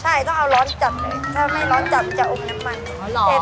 ใช่ต้องเอาร้อนจัดเลยถ้าไม่ร้อนจัดจะอุ่มน้ำมันออหรอ